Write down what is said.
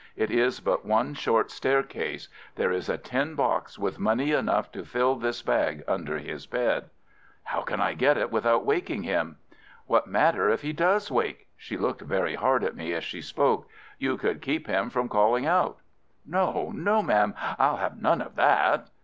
It is but one short staircase. There is a tin box with money enough to fill this bag under his bed." "How can I get it without waking him?" "What matter if he does wake?" She looked very hard at me as she spoke. "You could keep him from calling out." "No, no, ma'am, I'll have none of that."